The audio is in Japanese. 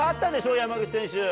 山口選手。